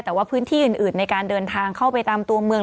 แต่ว่าพื้นที่อื่นในการเดินทางเข้าไปตามตัวเมือง